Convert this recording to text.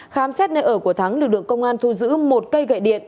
khám xét nơi ở của thắng lực lượng công an thu giữ một cây gậy điện